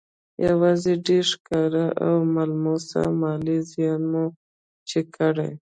يوازې ډېر ښکاره او ملموس مالي زيان مو چې کړی